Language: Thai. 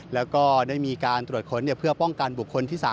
แล้วก็ได้มีการตรวจค้นเพื่อป้องกันบุคคลที่๓